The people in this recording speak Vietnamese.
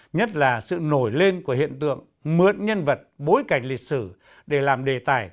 nhất là sự nổi lên của hiện tượng mượn nhân vật bối cảnh lịch sử để làm đề tài